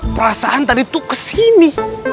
perasaan tadi tuh kesini